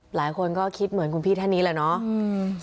หลายคนก็คิดเหมือนคุณพี่ท่านนี้แหละเนาะ